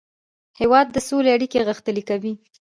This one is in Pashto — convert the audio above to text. هېواد د سولې اړیکې غښتلې کوي.